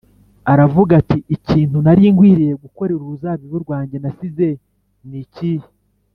aravuga ati: ‘ikintu nari nkwiriye gukorera uruzabibu rwanjye nasize ni ikihe?’